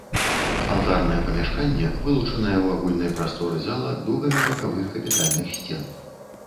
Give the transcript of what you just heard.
Алтарнае памяшканне вылучанае ў агульнай прасторы зала дугамі бакавых капітальных сцен.